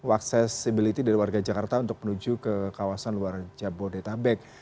accessibility dari warga jakarta untuk menuju ke kawasan luar jabodetabek